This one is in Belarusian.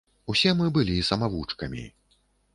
Усе мы былі самавучкамі.